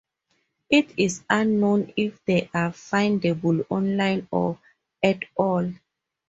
It is unknown if they are findable online, or at all.